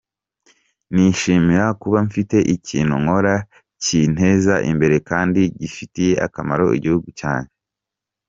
Nishimira kuba mfite ikintu nkora kinteza imbere kandi gifitiye akamaro igihugu cyanjye.